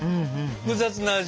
複雑な味。